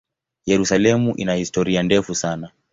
Yerusalemu ina historia ndefu sana.